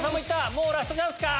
もうラストチャンスか？